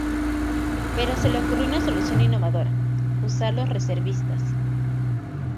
Pero se le ocurrió una solución innovadora: usar los reservistas.